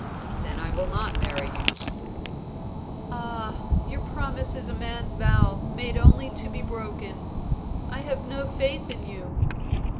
"Then I will not marry you." "Ah, your promise is a man's vow, made only to be broken. I have no faith in you."